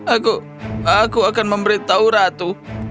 aku aku akan memberitahu ratu